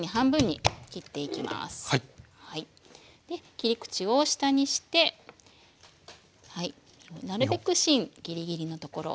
切り口を下にしてなるべく芯ぎりぎりのところ。